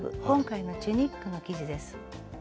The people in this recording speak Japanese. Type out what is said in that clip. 今回のチュニックの生地です。